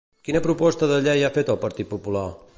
Quina proposta de llei ha fet el Partit Popular?